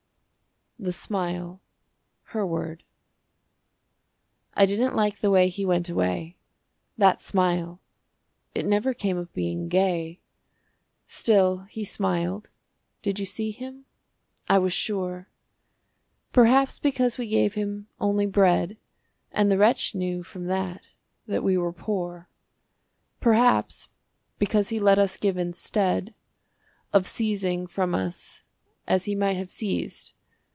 THE SMILE (Her Word) I didn't like the way he went away. That smile! It never came of being gay. Still he smiled did you see him? I was sure! Perhaps because we gave him only bread And the wretch knew from that that we were poor. Perhaps because he let us give instead Of seizing from us as he might have seized.